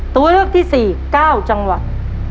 ตัวเลือกที่๔๙จังหวัด